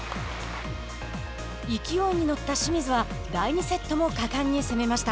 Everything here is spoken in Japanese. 勢いに乗った清水は第２セットも果敢に攻めました。